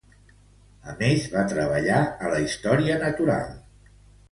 A més, va treballar a la Història natural.